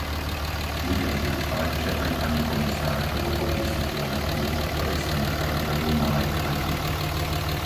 Budem dúfať, že aj pani komisárka pochopí situáciu, v ktorej sa nachádzajú malé krajiny.